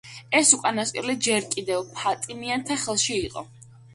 ეს უკანასკნელი ჯერ კიდევ ფატიმიანთა ხელში იყო.